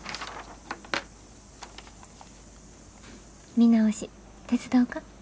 見直し手伝おか？